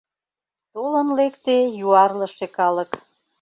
Толын лекте юарлыше калык.